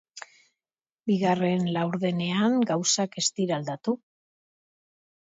Bigarren laurdenean gauzak ez dira aldatu.